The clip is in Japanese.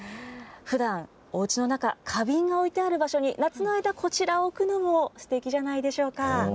ふだん、おうちの中、花瓶が置いてある場所に夏の間、こちらを置くのもすてきじゃないでしょうか。